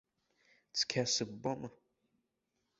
Цқьа сыббома?